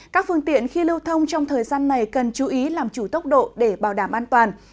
các phương tiện khi lưu thông trong thời gian này cần chú ý làm chủ tốc độ để bảo đảm an toàn